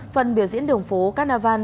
phần biểu diễn đường phố carnarvon